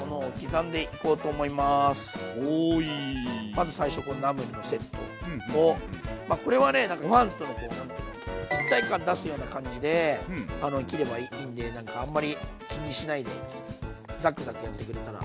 まず最初このナムルのセットをまあこれはねご飯とのこう何て言うの一体感出すような感じで切ればいいんでなんかあんまり気にしないでザクザクやってくれたら。